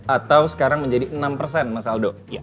atau sekarang menjadi enam persen mas aldo